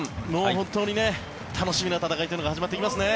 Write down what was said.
本当に楽しみな戦いというのが始まっていきますね。